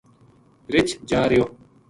رچھ جا رہیو